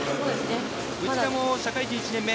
内田も社会人１年目。